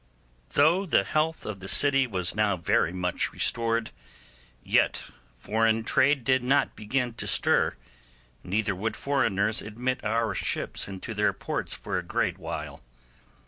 Though the health of the city was now very much restored, yet foreign trade did not begin to stir, neither would foreigners admit our ships into their ports for a great while.